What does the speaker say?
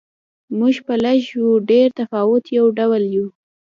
موږ په لږ و ډېر تفاوت یو ډول یو.